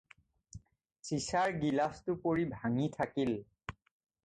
চিচাৰ গিলাচটো পৰি ভাঙি থাকিল।